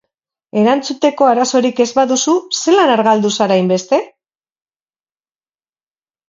Erantzuteko arazorik ez baduzu, zelan argaldu zara hainbeste?